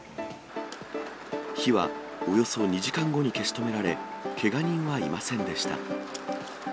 火はおよそ２時間後に消し止められ、けが人はいませんでした。